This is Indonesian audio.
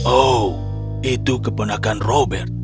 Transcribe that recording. oh itu keponakan robert